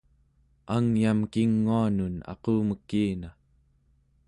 angyam kinguanun aqumekina!